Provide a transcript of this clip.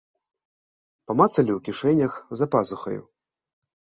Памацалі ў кішэнях, за пазухаю.